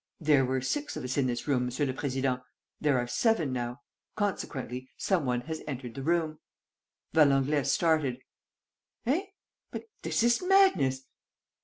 "There were six of us in this room, Monsieur le Président; there are seven now. Consequently, some one has entered the room." Valenglay started: "Eh! But this is madness!